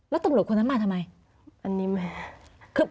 แล้วตำรวจคนนั้นมาทำไม